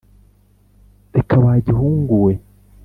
reka wa gihungu we